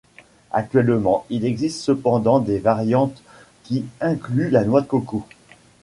Actuellement, il existe cependant des variantes qui incluent la noix de coco.